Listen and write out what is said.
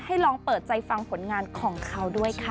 ลองเปิดใจฟังผลงานของเขาด้วยค่ะ